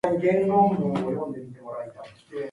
Batuatas Island is to the south.